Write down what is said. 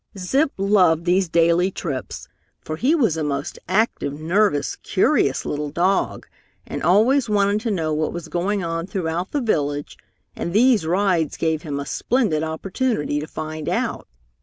Zip loved these daily trips, for he was a most active, nervous, curious, little dog, and always wanted to know what was going on throughout the village, and these rides gave him a splendid opportunity to find out.